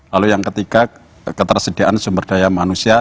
lalu yang ketiga ketersediaan sumber daya manusia